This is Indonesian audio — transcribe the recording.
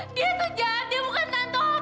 dia tuh jahat dia bukan tante mpok